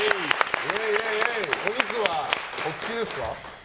お肉はお好きですか？